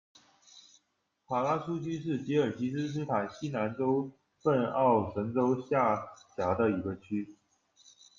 卡拉苏区是吉尔吉斯斯坦西南州份奥什州下辖的一个区。